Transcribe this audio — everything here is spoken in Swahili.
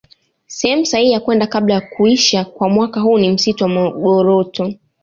Sehemu sahihi ya kwenda kabla ya kuisha kwa mwaka huu ni msitu wa Magoroto